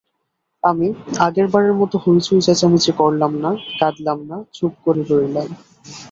আমি আগেরবারের মত হৈচৈ চেঁচামেচি করলাম না, কাঁদলাম না, চুপ করে রইলাম।